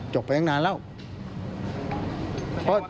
จบไปอย่างนานแล้ว